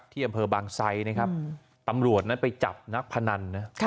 ที่อำเภอบางไซนะครับตำรวจนั้นไปจับนักพนันนะ